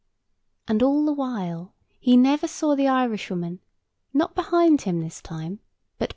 And all the while he never saw the Irishwoman, not behind him this time, but before.